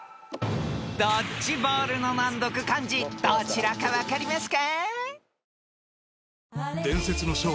［ドッジボールの難読漢字どちらか分かりますか？］